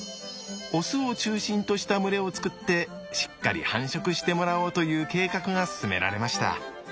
オスを中心とした群れを作ってしっかり繁殖してもらおうという計画が進められました。